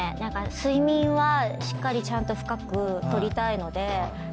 睡眠はしっかりちゃんと深く取りたいので。